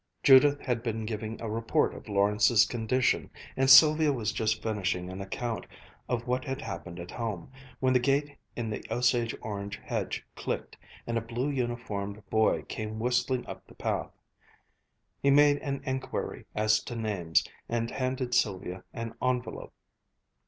Judith had been giving a report of Lawrence's condition, and Sylvia was just finishing an account of what had happened at home, when the gate in the osage orange hedge clicked, and a blue uniformed boy came whistling up the path. He made an inquiry as to names, and handed Sylvia an envelope.